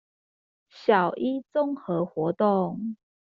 小一綜合活動